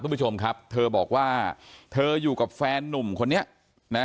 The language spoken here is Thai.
คุณผู้ชมครับเธอบอกว่าเธออยู่กับแฟนนุ่มคนนี้นะ